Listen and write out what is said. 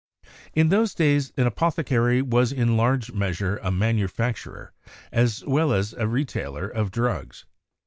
In those days an apothecary was in large measure a manufacturer as well as a retailer of drugs.